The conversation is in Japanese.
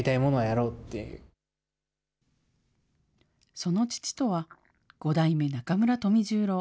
その父とは、五代目中村富十郎。